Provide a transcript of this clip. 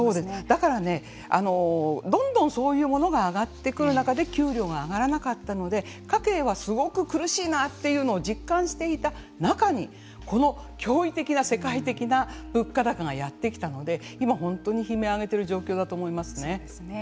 だから、どんどんそういうものが上がってくる中で給料が上がらなかったので家計はすごく苦しいなというのを実感していた中にこの驚異的な世界的な物価高がやってきたので今、本当に悲鳴を上げている状況だと思いますね。